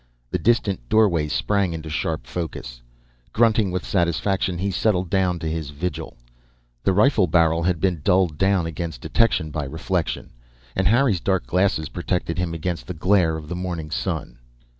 The distant doorway sprang into sharp focus. Grunting with satisfaction, he settled down to his vigil. The rifle barrel had been dulled down against detection by reflection, and Harry's dark glasses protected him against the glare of the morning sun.